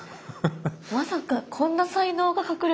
まさかこんな才能が隠れてたとは。